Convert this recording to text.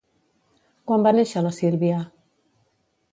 Quan va néixer la Sílvia?